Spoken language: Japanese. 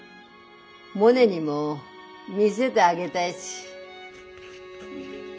モネにも見せであげだいし。